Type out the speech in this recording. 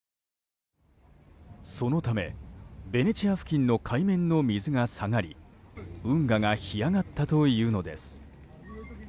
そのためベネチア付近の海面の水が下がり運河が干上がったというのです。